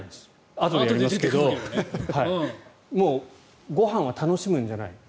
あとでやりますけどもうご飯は楽しむんじゃない。